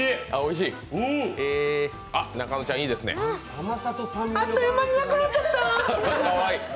甘さと酸味があっという間になくなっちゃった。